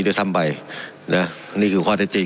ปรับอ่า